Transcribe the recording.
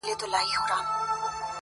ممتاز به نوري کومي نخښي د تیرا راوړلې.